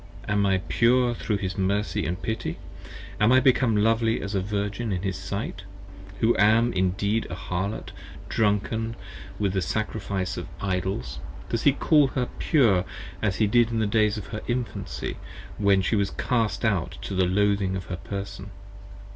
am I pure thro' his Mercy And Pity? Am I become lovely as a Virgin in his sight, Who am Indeed a Harlot drunken with the Sacrifice of Idols, does he Call her pure as he did in the days of her Infancy, when She 40 Was cast out to the loathing of her person?